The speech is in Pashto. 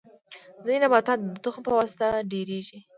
ځینې نباتات د تخم په واسطه ډیریږي